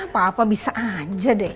papa bisa aja deh